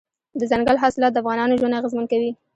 دځنګل حاصلات د افغانانو ژوند اغېزمن کوي.